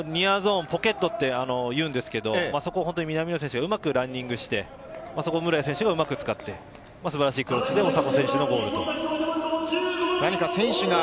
ニアゾーン、ポケットっていうんですけど、そこ、南野選手がうまくランニングしてそこを室屋選手がうまく使って素晴らしいクロスで大迫選手のゴール。